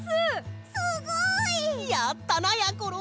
やったなやころ！